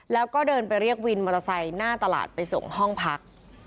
แล้วก็เดินไปเรียกวินมอเตอร์ไซค์หน้าตลาดไปส่งห้องพัก